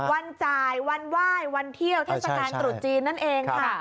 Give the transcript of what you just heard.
วันจ่ายวันไหว้วันเที่ยวเทศกาลตรุษจีนนั่นเองค่ะ